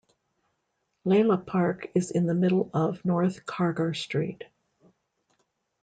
Laleh Park is in the middle of North Kargar street.